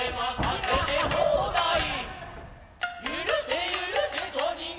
はい。